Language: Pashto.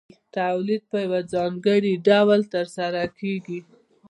تولید په یو ځانګړي ډول ترسره کېږي